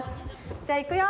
じゃあいくよ！